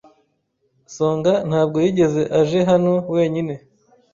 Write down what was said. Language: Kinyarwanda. Songa ntabwo yigeze aje hano wenyine.